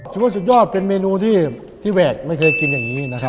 ฉันว่าสุดยอดเป็นเมนูที่แวกไม่เคยกินอย่างนี้นะครับ